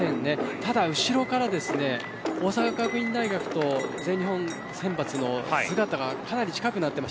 ただ、後ろから大阪学院大学と全日本選抜の姿がかなり近くなっています。